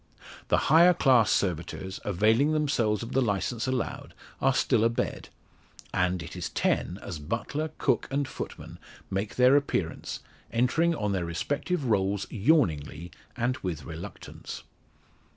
The higher class servitors availing themselves of the licence allowed, are still abed, and it is ten as butler, cook, and footman make their appearance, entering on their respective roles yawningly, and with reluctance.